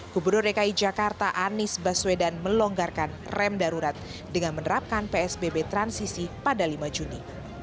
gubernur dki jakarta anies baswedan melonggarkan rem darurat dengan menerapkan psbb transisi pada lima juni